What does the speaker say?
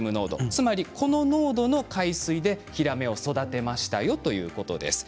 つまり、この濃度の海水でヒラメを育てましたよということです。